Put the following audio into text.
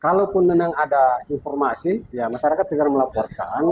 kalau pun menang ada informasi masyarakat segera melaporkan